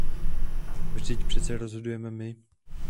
Vždyť přece rozhodujeme my.